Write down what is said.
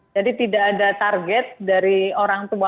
jadi tidak ada target dari orang tua